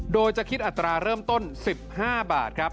โดยจะคิดอัตราเริ่มต้น๑๕บาทครับ